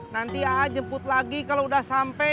nanti aa jemput lagi kalau udah sampe ya